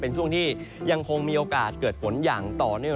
เป็นช่วงที่ยังคงมีโอกาสเกิดฝนอย่างต่อเนื่อง